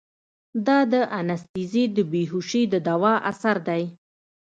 دا د انستيزي د بېهوشي د دوا اثر ديه.